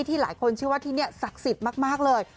หลายคนเชื่อว่าที่นี่ศักดิ์สิทธิ์มากเลย